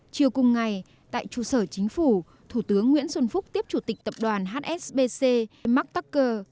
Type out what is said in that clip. chiều cùng ngày tại trụ sở chính phủ thủ tướng nguyễn xuân phúc tiếp chủ tịch tập đoàn hsbc mark tucker